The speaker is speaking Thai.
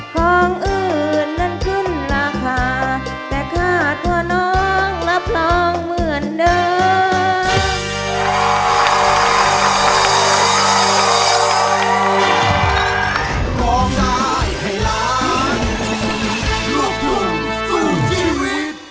ของอื่นนั้นขึ้นราคาแต่คาดว่าน้องรับรองเหมือนเดิม